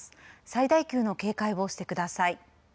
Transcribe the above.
最大級の警戒をしてください。